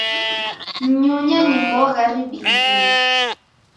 Mnyunya ni mbogha ribirie